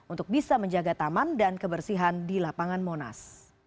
untuk bisa menjaga taman dan kebersihan di lapangan monas